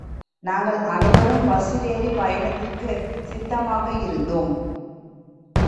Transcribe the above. நாங்கள் அனைவரும் பஸ்ஸிலேறிப் பயணத்திற்குச் சித்தமாக இருந்தோம்.